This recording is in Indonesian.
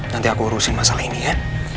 nanti aku urusin masalah ini ya